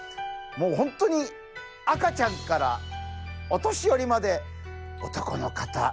もうほんとに赤ちゃんからお年寄りまで男の方